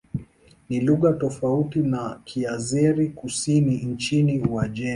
Ni lugha tofauti na Kiazeri-Kusini nchini Uajemi.